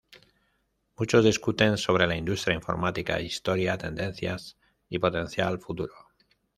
Muchos discuten sobre la industria informática, historia, tendencias y potencial futuro.